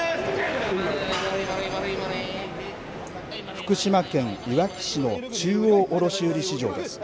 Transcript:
福島県いわき市の中央卸売市場です。